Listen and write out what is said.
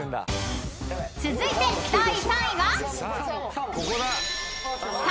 ［続いて第３位は？］